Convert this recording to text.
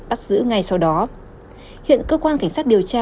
bắt giữ ngay sau đó hiện cơ quan cảnh sát điều tra